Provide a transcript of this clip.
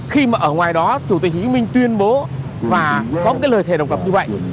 khi mà ở ngoài đó chủ tịch hồ chí minh tuyên bố và có cái lời thề độc lập như vậy